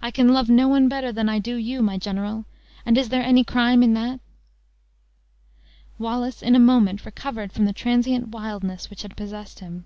"I can love no one better than I do you, my general! and is there any crime in that?" Wallace in a moment recovered from the transient wildness which had possessed him.